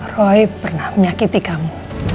roy pernah menyakiti kamu